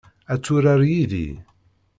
Ad turar yid-i?